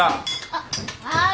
あっはい。